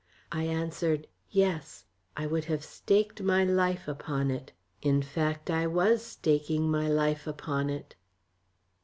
I answered, "Yes." I would have staked my life upon it; in fact, I was staking my life upon it.